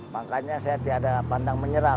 makanya saya tiada pandang menyerah